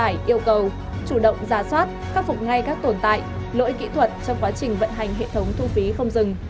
hải yêu cầu chủ động ra soát khắc phục ngay các tồn tại lỗi kỹ thuật trong quá trình vận hành hệ thống thu phí không dừng